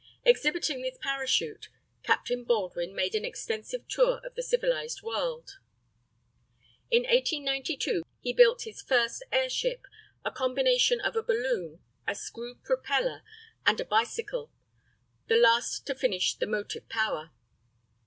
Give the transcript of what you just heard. Exhibiting this parachute, Captain Baldwin made an extensive tour of the civilized world. In 1892 he built his first airship, a combination of a balloon, a screw propeller, and a bicycle, the last to furnish the motive power.